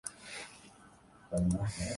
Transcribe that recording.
کئی برس اس میں لگ جائیں گے۔